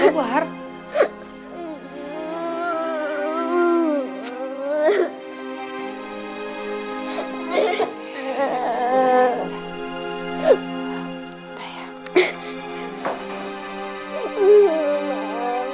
udah sampai keluar